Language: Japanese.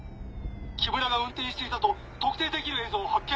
木村が運転していたと特定できる映像を発見！